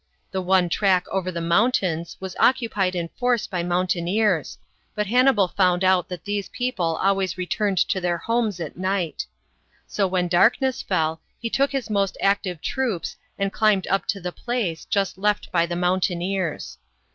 The one track over the mountains, was occupied in force by mountaineers, but Hannibal found out that these 166 CLIMBING THE ALPS. [B.C. 218. people always returned to their homes at night. So when darkness fell, he took his most active troops, and climbed up to the place, just left by the mountaineers.